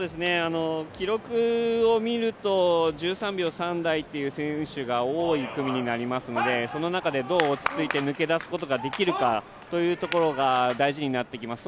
記録を見ると１３秒３台という選手が多い組になりますのでその中でどう落ち着いて抜け出すことができるかというところが大事になってきます。